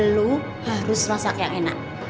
lalu harus masak yang enak